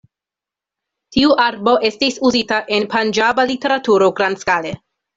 Tiu arbo estis uzita en panĝaba literaturo grandskale.